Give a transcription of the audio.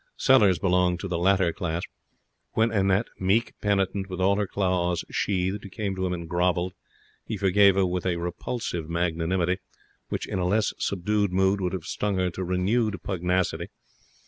Sellers belonged to the latter class. When Annette, meek, penitent, with all her claws sheathed, came to him and grovelled, he forgave her with a repulsive magnanimity which in a less subdued mood would have stung her to renewed pugnacity.